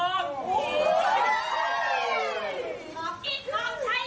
คอกอิสคอกใต้มีพรีมเลย